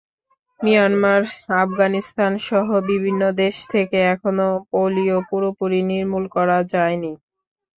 Myanmar, আফগানিস্তানসহ বিভিন্ন দেশ থেকে এখনো পোলিও পুরোপুরি নির্মূল করা যায়নি।